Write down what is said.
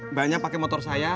mbaknya pakai motor saya